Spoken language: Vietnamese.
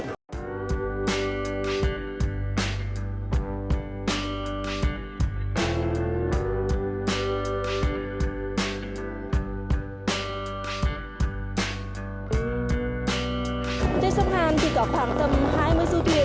trên sông hàn thì có khoảng tầm hai mươi du thuyền trở thích ngắm phó hoa trong những đêm trình diễn